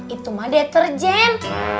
itu mah deterjen